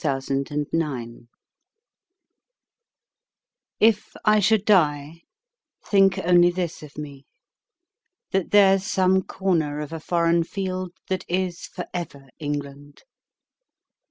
The Soldier If I should die, think only this of me: That there's some corner of a foreign field That is for ever England.